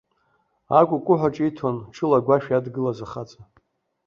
Акәукәуҳәа ҿиҭуан, ҽыла агәашә иадгылаз ахаҵа.